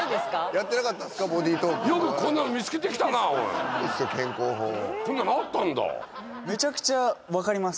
やってなかったんですかボディートークよくこんなの見つけてきたなこんなのあったんだめちゃくちゃわかります